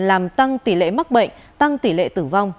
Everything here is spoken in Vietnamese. làm tăng tỷ lệ mắc bệnh tăng tỷ lệ tử vong